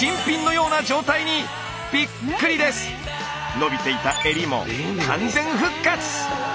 伸びていた襟も完全復活！